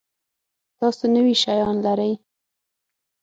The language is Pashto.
تاسو نوي شیان لرئ؟